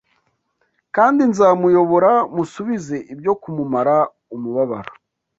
kandi nzamuyobora, musubize ibyo kumumara umubabaro